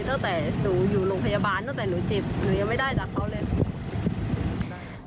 ตั้งแต่หนูอยู่โรงพยาบาลตั้งแต่หนูเจ็บหนูยังไม่ได้จากเขาเลย